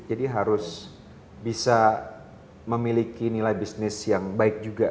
jadi harus bisa memiliki nilai bisnis yang baik juga